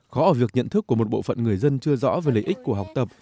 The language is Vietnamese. khó ở việc nhận thức của một bộ phận người dân chưa rõ về lợi ích của học tập